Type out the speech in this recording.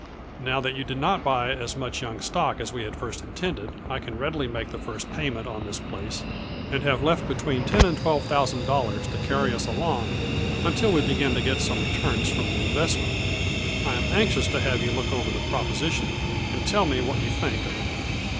Now that you did not buy as much young stock as we at first intended, I can readily make the first payment on this place and have left between ten and twelve thousand dollars to carry us along until we begin to get some returns from the investment I am anxious to have you look over the proposition, and tell me what you think of it.